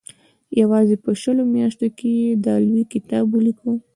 یوازې په شلو میاشتو کې یې دا لوی کتاب ولیکه.